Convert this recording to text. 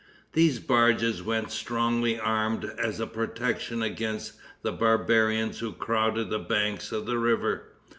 These barges went strongly armed as a protection against the barbarians who crowded the banks of the river.